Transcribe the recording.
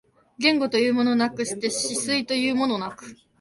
言語というものなくして思惟というものなく、